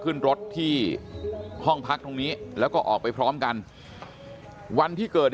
ขึ้นรถที่ห้องพักตรงนี้แล้วก็ออกไปพร้อมกันวันที่เกิด